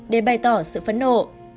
để bày tỏ sự phẫn nộ